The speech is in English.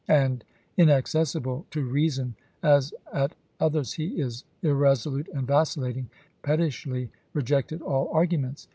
and inaccessible to reason as at others he is irreso lute and vacillating, pettishly rejected all argu ments."